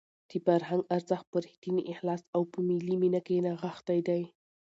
د فرهنګ ارزښت په رښتیني اخلاص او په ملي مینه کې نغښتی دی.